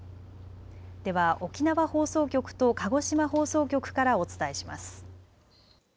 では沖縄放送局と鹿児島放送局からお伝えします。